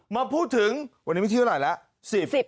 มาพูดถึงวันนี้วิธีเวลาไหนละ